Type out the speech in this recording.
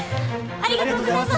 ありがとうございます！